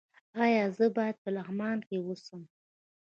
ایا زه باید په لغمان کې اوسم؟